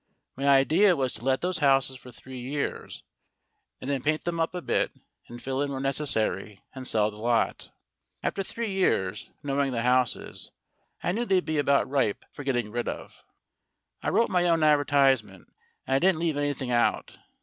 My idea was to let those houses for three years, and then paint them up a bit and fill in where necessary, and sell the lot. After three years, knowing the houses, I knew they'd be about ripe for getting rid of. I wrote my own advertisement, and I didn't leave anything out.